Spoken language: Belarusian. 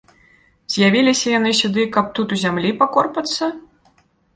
З'явіліся яны сюды, каб тут у зямлі пакорпацца?